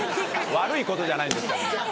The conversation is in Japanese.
悪いことじゃないです。